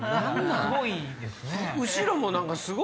すごいですね。